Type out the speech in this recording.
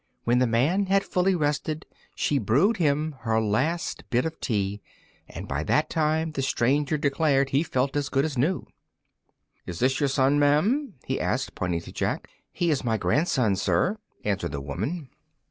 When the man had fully rested, she brewed him her last bit of tea, and by that time the stranger declared he felt as good as new. "Is this your son, ma'am?" he asked, pointing to Jack. "He is my grandson, sir," answered the woman.